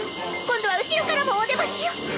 今度は後ろからもおでましよ！